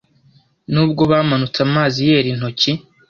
Nubwo bamanutse amazi yera intoki